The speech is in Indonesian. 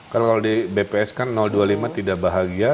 kan kalau di bps kan dua puluh lima tidak bahagia